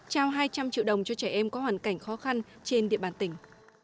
trao hai trăm linh triệu đồng cho trẻ em có hoàn cảnh khó khăn trên địa bàn tỉnh